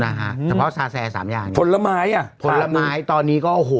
นะฮะแต่เพราะว่าซาแซร์๓อย่างผลไม้อะผลไม้ตอนนี้ก็โอ้โห